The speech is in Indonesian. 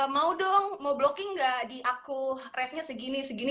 mau dong mau blocking gak di aku ratenya segini segini